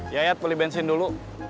yayat beli bensin dulu